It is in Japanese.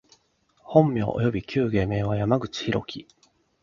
本名および旧芸名は、山口大樹（やまぐちひろき）